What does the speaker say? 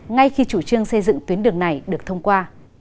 ngay khi chủ trương xây dựng tuyến đường này được thông qua